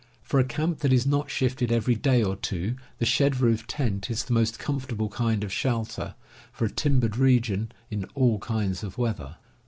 For a camp that is not shifted every day or two, the shed roof tent is the most comfortable kind of shelter, for a timbered region, in all kinds of weather.